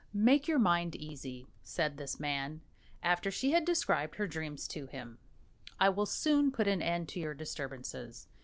"Make your mind easy," said this man, after she had described her dreams to him; "I will soon put an end to your disturbances.